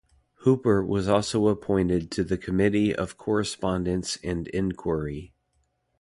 Hooper was also appointed to the Committee of Correspondence and Inquiry.